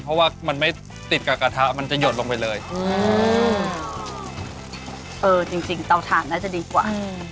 เพราะว่ามันไม่ติดกับกระทะมันจะหยดลงไปเลยเออจริงจริงเตาถ่านน่าจะดีกว่า